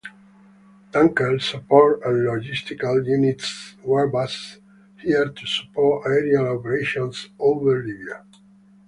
Tanker support and logistical units were based here to support aerial operations over Libya.